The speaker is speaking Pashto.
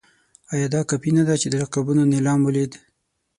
ایا دا کافي نه ده چې د لقبونو نېلام ولید.